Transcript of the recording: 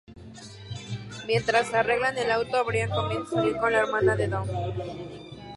Mientras arreglan el auto, Brian comienza a salir con la hermana de Dom.